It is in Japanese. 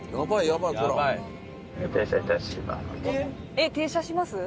えっ停車します？